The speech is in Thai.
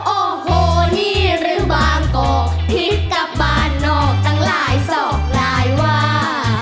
โอโฮนี่รูบาตกพิษกับปากนอกตั้งหลายศอกหลายวา